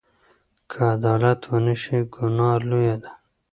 که عدالت ونشي، ګناه لویه ده.